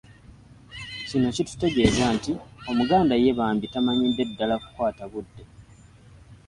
Kino kitutegeeza nti Omuganda ye bambi tamanyidde ddala kukwata budde